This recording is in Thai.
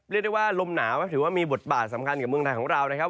เรียกได้ว่าลมหนาวก็ถือว่ามีบทบาทสำคัญกับเมืองไทยของเรานะครับ